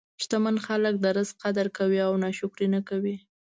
شتمن خلک د رزق قدر کوي او ناشکري نه کوي.